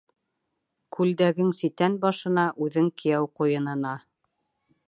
Күлдәгең ситән башына, үҙең кейәү ҡуйынына!